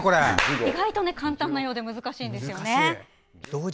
意外と簡単なようで難しいんですよね。